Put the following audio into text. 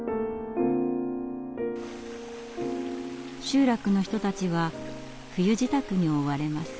集落の人たちは冬支度に追われます。